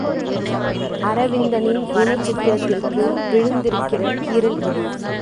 அரவிந்தனின் குணச்சித்திரத்திற்கு விழுந்திருக்கிற கீறல் இது.